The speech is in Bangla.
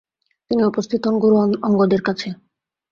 তিনি উপস্থিত হন গুরু অঙ্গদের কাছে।